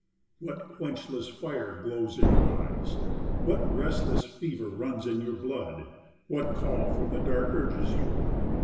What quenchless fire glows in your eyes? What restless fever runs in your blood? What call from the dark urges you?